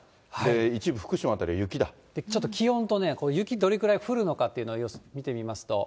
一部、ちょっと気温とね、雪、どれくらい降るのかというのを見てみますと。